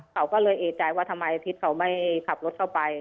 เขาก็เลยเอกใจว่าทำไมอาทิตย์เขาไม่ขับรถเข้าไป